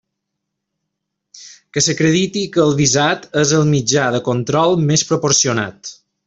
Que s'acredite que el visat és el mitjà de control més proporcionat.